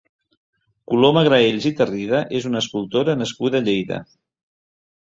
Coloma Graells i Tarrida és una escultora nascuda a Lleida.